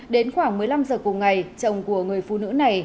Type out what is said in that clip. đến khoảng một mươi năm giờ cùng ngày chồng của người phụ nữ này